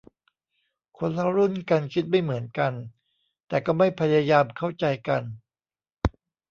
คนละรุ่นกันคิดไม่เหมือนกัน แต่ก็ไม่พยายามเข้าใจกัน